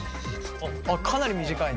あっかなり短いね。